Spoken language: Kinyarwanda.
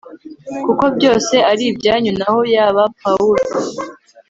kuko byose ari ibyanyu naho yaba pawulo